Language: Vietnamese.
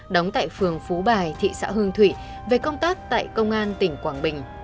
đóng tại phường phú bài thị xã hương thủy về công tác tại công an tỉnh quảng bình